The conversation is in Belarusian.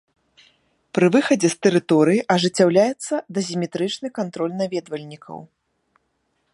Пры выхадзе з тэрыторыі ажыццяўляецца дазіметрычны кантроль наведвальнікаў.